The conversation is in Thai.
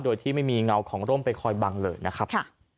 โดยที่ไม่มีเงาของร่มไปคอยบังเลยนะครับ